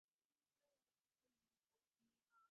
এ সোনা তো তেমন ভালো নয়।